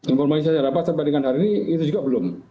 informasi saya dapat terbandingkan hari ini itu juga belum